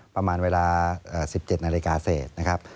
ประมาณเวลา๑๗นาฬิกาเศษนะครับ